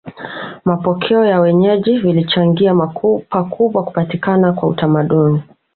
Mapokeo ya wenyeji vilichangia pakubwa kupatikana kwa utamaduni